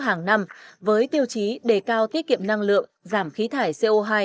hàng năm với tiêu chí đề cao tiết kiệm năng lượng giảm khí thải co hai